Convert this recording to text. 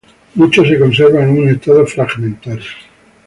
Muchos se conservan en un estado fragmentario.